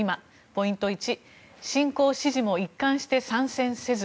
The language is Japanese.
ポイント１侵攻支持も一貫して参戦せず。